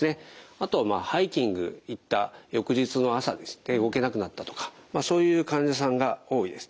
あとはハイキングに行った翌日の朝動けなくなったとかそういう患者さんが多いです。